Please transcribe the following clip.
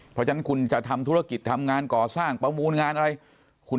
เพราะฉะนั้นคุณจะทำธุรกิจทำงานก่อสร้างประมูลงานอะไร